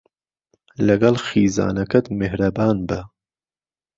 لەگەڵ خیزانەکەت مێهرەبان بە